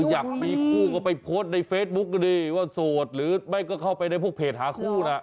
อยากมีคู่ก็ไปโพสต์ในเฟซบุ๊กก็ดีว่าโสดหรือไม่ก็เข้าไปในพวกเพจหาคู่นะ